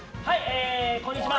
こんにちは。